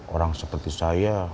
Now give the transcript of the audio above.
orang seperti saya